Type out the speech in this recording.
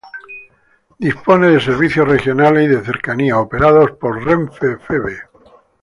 Dispone de servicios regionales y de cercanías operados por Renfe Feve.